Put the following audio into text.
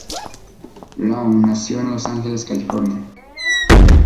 Lowe nació en Los Ángeles, California.